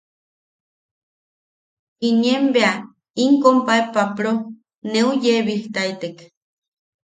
Inien bea in compae Papro neu yeebijtaitek.